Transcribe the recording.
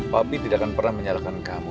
pabi tidak akan pernah menyalahkan kamu